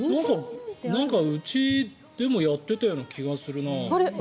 なんかうちでもやってたような気がするな。